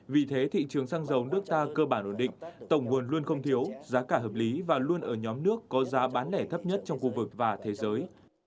vì thế thị trường xăng dầu nước ta cơ bản ổn định tổng nguồn luôn không thiếu giá cả hợp lý và luôn ở nhóm nước có giá bán lẻ thấp nhất trong khu vực và thế giới